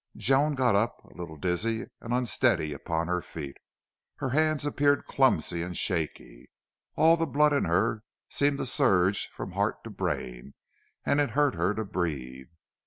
Joan got up, a little dizzy and unsteady upon her feet. Her hands appeared clumsy and shaky. All the blood in her seemed to surge from heart to brain and it hurt her to breathe.